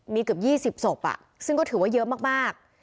มีเกือบ๒๐ศพซึ่งก็ถือว่าเยอะมาก